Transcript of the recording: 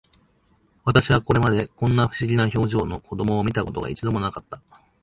私はこれまで、こんな不思議な表情の子供を見た事が、一度も無かった